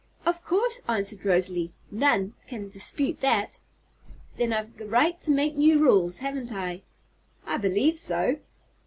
"Of course," answered Rosalie; "none can dispute that." "Then I've the right to make new laws, haven't I?" "I believe so."